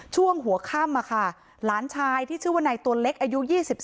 ช่วงหัวข้ามล้านชายที่ชื่อวันนายตัวเล็กอายุ๒๔